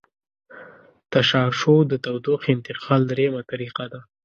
تشعشع د تودوخې انتقال دریمه طریقه ده.